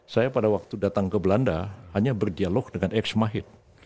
saya pada waktu datang ke belanda hanya berdialog dengan ex mahir